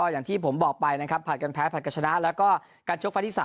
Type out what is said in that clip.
อย่างที่ผมบอกไปนะครับผลัดกันแพ้ผลัดกันชนะแล้วก็การชกไฟล์ที่๓